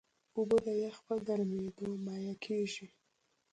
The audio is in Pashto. اوبه د یخ په ګرمیېدو مایع کېږي.